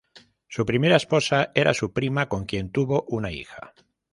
Su primera esposa era su prima, con quien tuvo una hija.